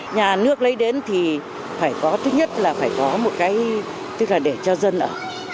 nhà nước lấy đến thì phải có thứ nhất là phải có một cái tức là để cho dân ở